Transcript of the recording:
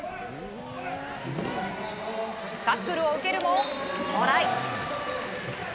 タックルを受けるもトライ。